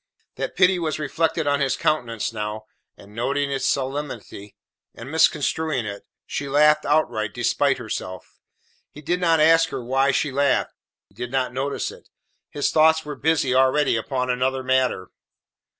That pity was reflected on his countenance now, and noting its solemnity, and misconstruing it, she laughed outright, despite herself. He did not ask her why she laughed, he did not notice it; his thoughts were busy already upon another matter.